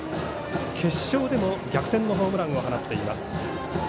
決勝でも逆転のホームランを放っています。